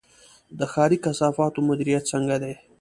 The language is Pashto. د ښاري کثافاتو مدیریت څنګه دی؟